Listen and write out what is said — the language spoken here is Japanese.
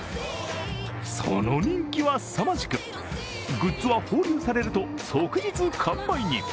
その人気はすさまじく、グッズは放流されると即日完売に。